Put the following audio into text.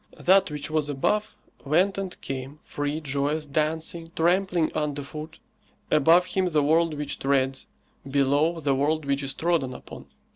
That which was above went and came, free, joyous, dancing, trampling under foot; above him the world which treads, below the world which is trodden upon.